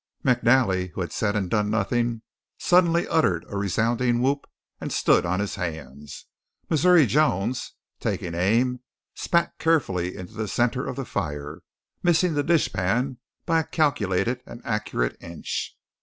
McNally, who had said and done nothing, suddenly uttered a resounding whoop and stood on his hands. Missouri Jones, taking aim, spat carefully into the centre of the fire, missing the dishpan by a calculated and accurate inch.